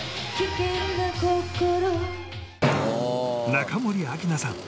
中森明菜さん